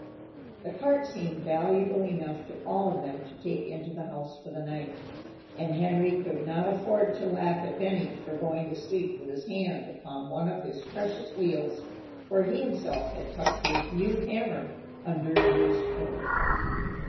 The cart seemed valuable enough to all of them to take into the house for the night. And Henry could not afford to laugh at Benny for going to sleep with his hand upon one of his precious wheels, for he himself had tucked his new hammer under his pillow.